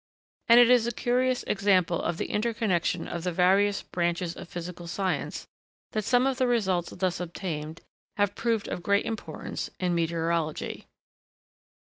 And it is a curious example of the interconnection of the various branches of physical science, that some of the results thus obtained have proved of great importance in meteorology.